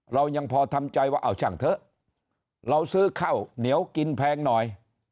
เรายังพอทำใจว่าเอาช่างเถอะเราซื้อข้าวเหนียวกินแพงหน่อย